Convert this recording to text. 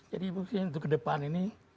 jadi mungkin untuk kedepan ini